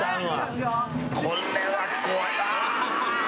これは怖いあぁ！